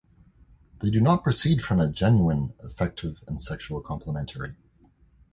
They do not proceed from a genuine effective and sexual complementary.